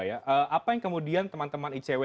apa yang kemudian teman teman icw